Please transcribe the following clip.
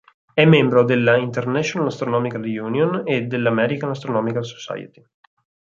È membro della dell’"International Astronomical Union" e dell"'American Astronomical Society".